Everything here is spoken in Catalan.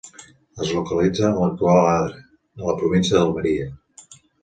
Es localitza en l'actual Adra, a la província d'Almeria.